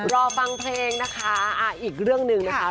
รอฟังเพลงนะคะอีกเรื่องหนึ่งนะคะ